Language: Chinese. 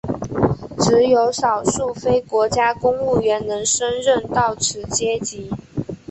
只有少数非国家公务员能升任到此阶级。